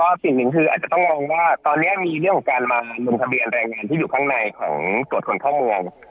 สิ่งหนึ่งคืออาจจะต้องมองว่าตอนนี้มีเรื่องของการมาลงทะเบียนแรงงานที่อยู่ข้างในของตรวจคนเข้าเมือง